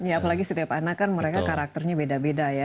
ya apalagi setiap anak kan mereka karakternya beda beda ya